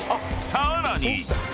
［さらに］